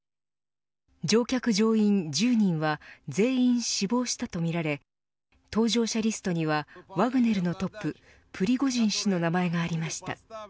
乗客乗員１０人は全員死亡したとみられ搭乗者リストにはワグネルのトッププリゴジン氏の名前がありました。